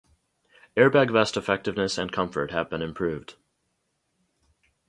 Airbag vest effectiveness and comfort have been improved.